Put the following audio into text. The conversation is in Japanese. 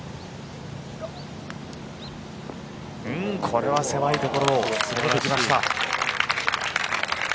これは狭いところを攻めてきました。